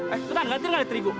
eh bentar gantiin gak nih terigu